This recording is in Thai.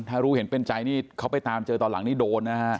ถ้ารู้เห็นเป็นใจนี่เขาไปตามเจอตอนหลังนี่โดนนะฮะ